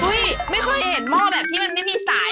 ไม่ค่อยเห็นหม้อแบบที่มันไม่มีสาย